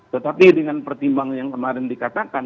tetapi dengan pertimbangan yang kemarin dikatakan